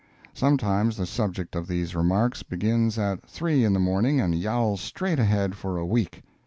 Sometimes the subject of these remarks begins at three in the morning and yowls straight ahead for a week.